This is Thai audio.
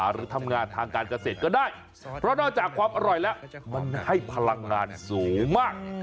หรือทำงานทางการเกษตรก็ได้เพราะนอกจากความอร่อยแล้วมันให้พลังงานสูงมาก